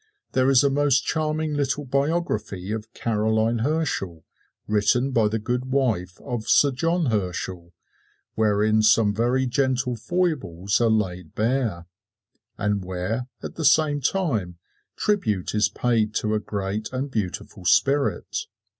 There is a most charming little biography of Caroline Herschel, written by the good wife of Sir John Herschel, wherein some very gentle foibles are laid bare, and where at the same time tribute is paid to a great and beautiful spirit.